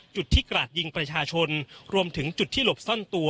จุดที่กราดยิงประชาชนรวมถึงจุดที่หลบซ่อนตัว